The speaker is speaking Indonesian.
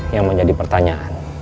yang menjadi pertanyaan